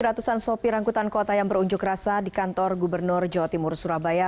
ratusan sopir angkutan kota yang berunjuk rasa di kantor gubernur jawa timur surabaya